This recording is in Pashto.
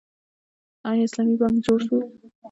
آیا اسلامي بانک جوړ شو؟